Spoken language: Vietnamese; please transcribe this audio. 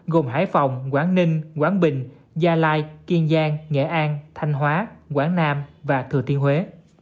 gồm hải phòng quảng ninh quảng bình gia lai kiên giang nghệ an thanh hóa quảng nam và thừa thiên huế